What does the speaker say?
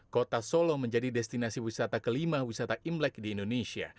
kota solo menjadi destinasi wisata kelima wisata imlek di indonesia